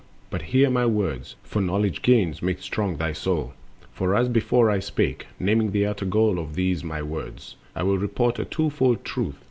but hear my words! For knowledge gained Makes strong thy soul. For as before I spake, Naming the utter goal of these my words, I will report a twofold truth.